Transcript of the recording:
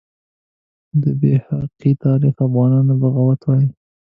د بیهقي تاریخ د افغانانو بغاوت وایي.